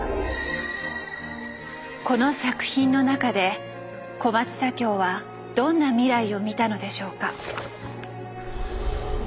この作品の中で小松左京はどんな未来を見たのでしょうか？